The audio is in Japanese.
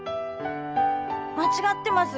間違ってます。